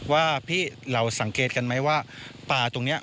ว่าพี่เราสังเกตกันไหมว่าปลาตรงนี้